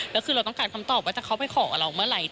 แล้วคือเราต้องการคำตอบว่าจะเข้าไปขอเราเมื่อไหร่